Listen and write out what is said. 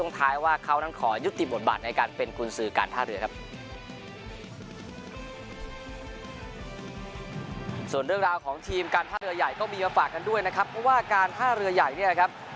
ท่าเรือใหญ่เนี่ยครับ